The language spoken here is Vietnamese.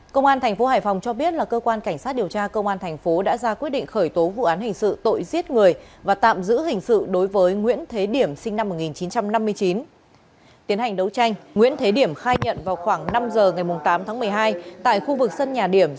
công an tp hải phòng cho biết là cơ quan cảnh sát điều tra công an thành phố đã ra quyết định khởi tố vụ án hình sự tội giết người và tạm giữ hình sự đối với nguyễn thế điểm sinh năm một nghìn chín trăm năm mươi chín